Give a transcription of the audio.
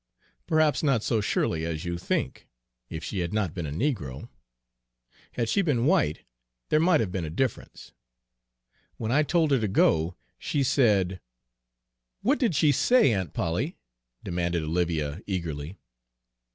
"Perhaps not so surely as you think, if she had not been a negro. Had she been white, there might have been a difference. When I told her to go, she said" "What did she say, Aunt Polly," demanded Olivia eagerly.